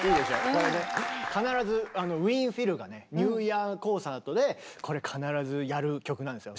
これね必ずウィーン・フィルがねニューイヤーコンサートでこれ必ずやる曲なんですよ。